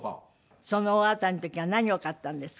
その大当たりの時は何を買ったんですか？